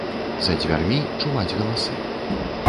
За дзвярмі чуваць галасы.